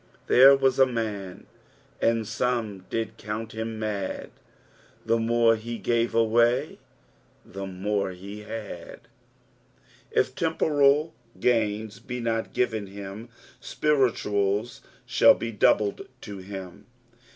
" Tbcie WIS a nun, and some did count bim mad, Tbo more he gave awiiy tbe more lie liad," If temporal gains be not given him, spirituals shall be doubted to him.